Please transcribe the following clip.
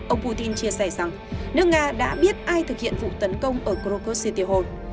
ông putin chia sẻ rằng nước nga đã biết ai thực hiện vụ tấn công ở krakow city horde